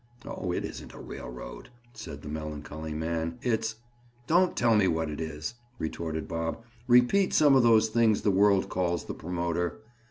"Oh, it isn't a railroad," said the melancholy man. "It's—" "Don't tell me what it is," retorted Bob. "Repeat some of those things the world calls the promoter."